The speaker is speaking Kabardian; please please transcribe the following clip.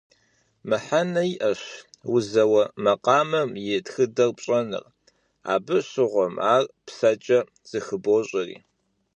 Мыхьэнэ иӀэщ узэуэ макъамэм и тхыдэр пщӀэным, абы щыгъуэм ар псэкӀэ зыхыбощӀэри.